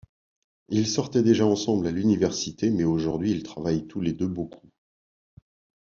Ils sortaient déjà ensemble à l'université, mais aujourd'hui, ils travaillent tous les deux beaucoup.